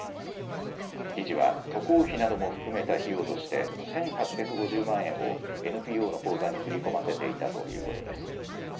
理事は渡航費なども含めた費用として１８５０万円をＮＰＯの口座に振り込ませていたということです。